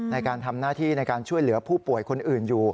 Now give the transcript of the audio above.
ในการทำหน้าที่ในการช่วยเหลือผู้ป่วยคนอื่นอยู่